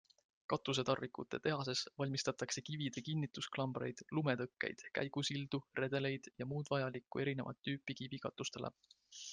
Katusetarvikute tehases valmistatakse kivide kinnitusklambreid, lumetõkkeid, käigusildu, redeleid ja muud vajalikku erinevat tüüpi kivikatustele.